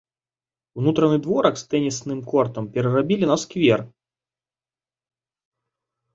Унутраны дворык з тэнісным кортам перарабілі на сквер.